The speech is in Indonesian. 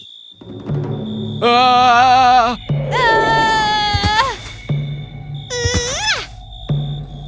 kau akan menangkap ratu